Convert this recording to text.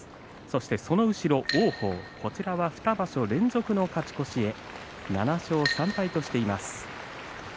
そして王鵬、こちらは２場所連続の勝ち越しへ７勝３敗としています。